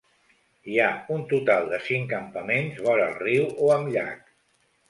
Hi ha un total de cinc campaments vora el riu o amb llac.